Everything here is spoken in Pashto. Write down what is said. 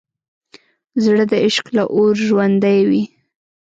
زړه د عشق له اوره ژوندی وي.